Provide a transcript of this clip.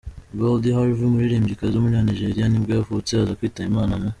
Goldie Harvey, umuririmbyikazi w’umunyanigeriya nibwo yavutse aza kwitaba Imana mu .